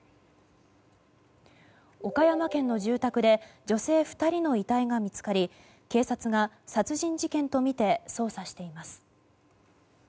岡山県の住宅で女性２人の遺体が見つかり警察が殺人事件とみて捜査しています。